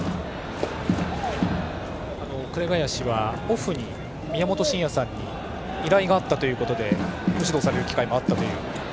紅林はオフに宮本慎也さんに依頼があったということでご指導される機会もあったという。